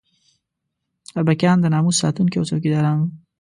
اربکیان د ناموس ساتونکي او څوکیداران وو.